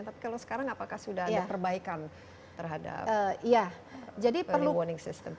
tapi kalau sekarang apakah sudah ada perbaikan terhadap jadi perlu warning system